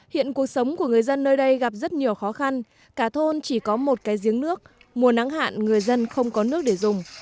hiện cuộc sống của người dân nơi đây gặp rất nhiều khó khăn cả thôn chỉ có một cái giếng nước mùa nắng hạn người dân không có nước để dùng